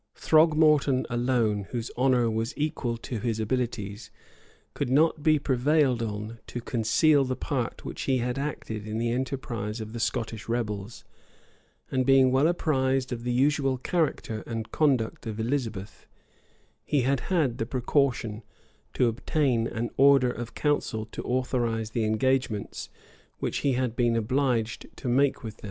[] Throgmorton alone, whose honor was equal to his abilities, could not be prevailed on to conceal the part which he had acted in the enterprise of the Scottish rebels; and being well apprised of the usual character and conduct of Elizabeth, he had had the precaution to obtain an order of council to authorize the engagements which he had been obliged to make with them.